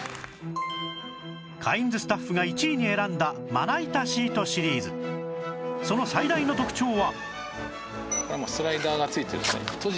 カインズスタッフが１位に選んだまな板シートシリーズその最大の特長は